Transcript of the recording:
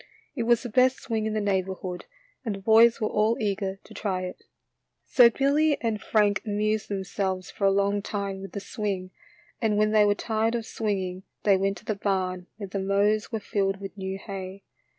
It was the best swing in the neighborhood, and the boys were all eager to try it. So Billy and Frank amused themselves for a Ions: time with the swing, and when they were tired of swing ing they went to the barn where the mows 62 THE LITTLE FORESTERS. were filled with new hay.